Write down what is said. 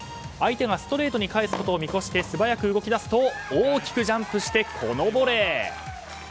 相手がストレートに返すことを見越して素早く動き出すと大きくジャンプしてこのボレー！